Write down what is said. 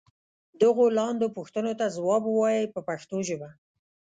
دغو لاندې پوښتنو ته ځواب و وایئ په پښتو ژبه.